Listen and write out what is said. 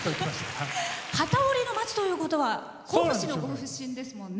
機織りの町ということは甲府市のご出身ですもんね。